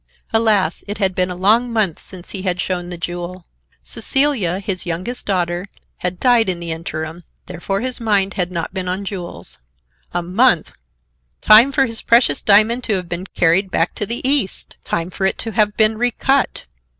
Alas, it had been a long month since he had shown the jewel. Cecilia, his youngest daughter, had died in the interim; therefore his mind had not been on jewels. A month! time for his precious diamond to have been carried back to the East! Time for it to have been recut!